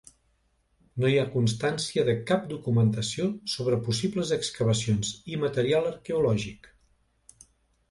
No hi ha constància de cap documentació sobre possibles excavacions i material arqueològic.